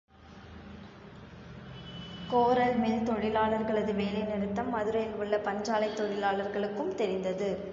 கோரல் mill தொழிலாளர்களது வேலை நிறுத்தம் மதுரையில் உள்ள பஞ்சாலைத் தொழிலாளர்களுக்கும் தெரிந்தது.